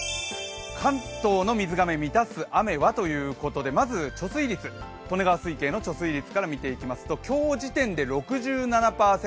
関東の水がめ、満たす雨は？ということで、まず利根川水系の貯水率から見ていきますと今日時点で６７％。